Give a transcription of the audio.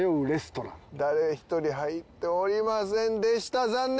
誰一人入っておりませんでした残念！